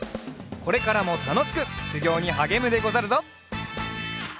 これからもたのしくしゅぎょうにはげむでござるぞ。